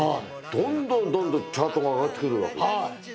どんどん、どんどんチャートが上がってくるわけ。